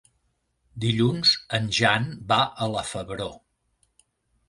Dilluns en Jan va a la Febró.